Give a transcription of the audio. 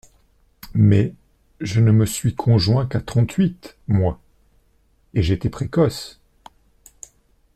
Mais je ne me suis conjoint qu’à trente-huit, moi !… et j’étais précoce !…